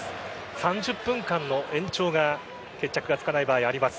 ３０分間の延長が決着がつかない場合はあります。